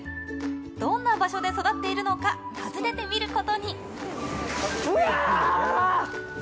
どんな場所で育っているのか訪ねてみることに。